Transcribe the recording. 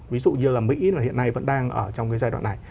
ví dụ như là mỹ là hiện nay vẫn đang ở trong cái giai đoạn này